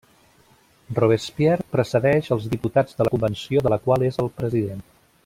Robespierre precedeix els diputats de la Convenció de la qual és el president.